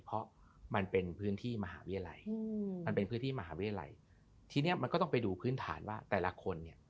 เพราะมันเป็นพื้นที่มหาวิทยาลัยอืมมันเป็นพื้นที่มหาวิทยาลัยทีเนี้ยมันก็ต้องไปดูพื้นฐานว่าแต่ละคนเนี่ย